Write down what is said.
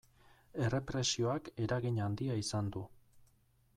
Errepresioak eragin handia izan du.